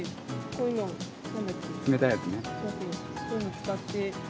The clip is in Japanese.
こういうの使って。